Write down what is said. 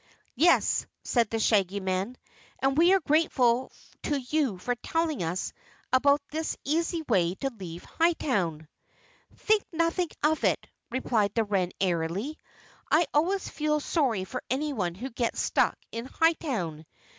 "Yes," said the Shaggy Man, "and we are grateful to you for telling us about this easy way to leave Hightown." "Think nothing of it," replied the wren airily. "I always feel sorry for anyone who gets stuck in Hightown.